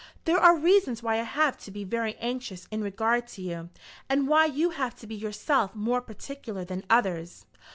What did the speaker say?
There are reasons why I have to be very anxious in regard to you, and why you have to be yourself more particular than others."